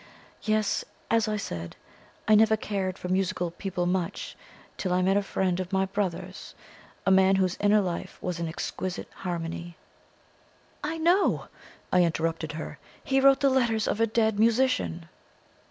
Yes, as I said, I never cared for musical people much, till I met a friend of my brother's a man whose inner life was an exquisite harmony." "I know!" I interrupted her. "He wrote the 'Letters of a Dead Musician.'"